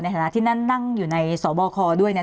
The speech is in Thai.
ในฐานะที่นั่นนั่งอยู่ในสบคด้วย